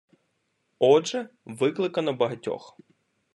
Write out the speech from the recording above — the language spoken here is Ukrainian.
Отже, викликано багатьох.